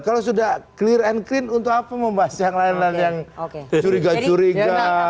kalau sudah clear and clean untuk apa membahas yang lain lain yang curiga curiga